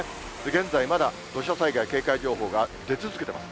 現在まだ土砂災害警戒情報が出続けてます。